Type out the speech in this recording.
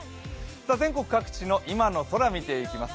全国各地の今の空、見ていきます。